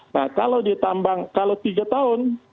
nah kalau ditambang kalau tiga tahun